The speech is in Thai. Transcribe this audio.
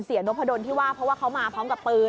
นพดลที่ว่าเพราะว่าเขามาพร้อมกับปืน